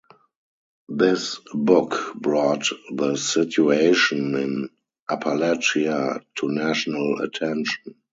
This book brought the situation in Appalachia to national attention.